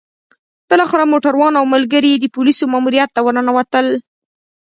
بالاخره موټروان او ملګري يې د پوليسو ماموريت ته ورننوتل.